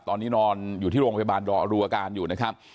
ตอนนี้นอนอยู่ที่โรงพยาบาลรอดูอาการอยู่นะครับ